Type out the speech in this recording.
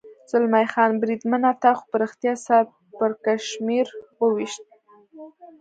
زلمی خان: بریدمنه، تا خو په رښتیا سر پړکمشر و وېشت.